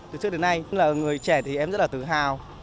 từ trước đến nay ở người trẻ thì em rất là tự hào